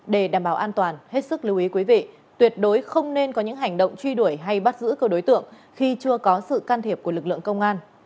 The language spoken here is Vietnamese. để đảm bảo an toàn hết sức lưu ý quý vị tuyệt đối không nên có những hành động truy đuổi hay bắt giữ cơ đối tượng khi chưa có sự can thiệp của lực lượng công an